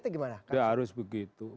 tidak harus begitu